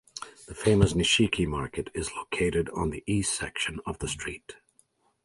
The famous Nishiki Market is located on the east section of the street.